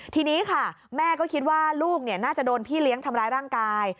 ทีนี้ค่ะแม่ก็คิดว่าลูกน่าจะโดนพี่เลี้ยงทำร้ายร่างกาย